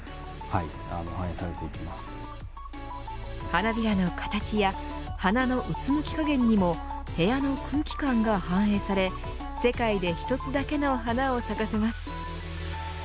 花びらの形や花のうつむき加減にも部屋の空気感が反映され世界で一つだけの花を咲かせます。